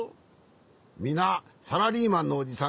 みなサラリーマンのおじさんがわるいと？